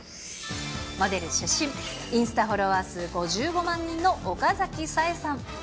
モデル出身、インスタフォロワー数５５万人の岡崎紗絵さん。